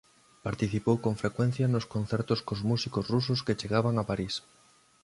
Participou con frecuencia nos concertos cos músicos rusos que chegaban a París.